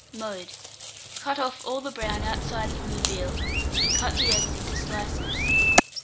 Mode. Cut off all the brown outside from the veal, and cut the eggs into slices.